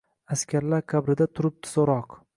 Askarlar qabrida turibdi so’roq